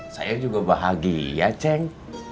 saya juga bahagia ceng